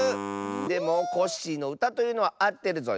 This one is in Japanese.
でもコッシーのうたというのはあってるぞよ。